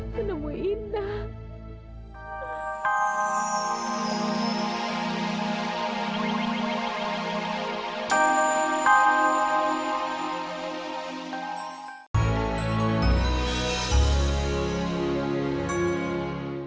dia tahu bagaimana caranya cari duit yang banyak